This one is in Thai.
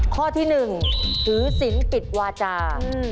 ข้อที่๑ถือศิลป์ปิดวาจา